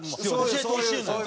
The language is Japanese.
教えてほしいのよ。